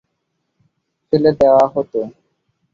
ফেলে দেয়া হতো।